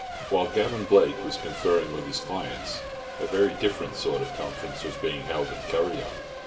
While Gavan Blake was conferring with his clients, a very different sort of conference was being held at Kuryong.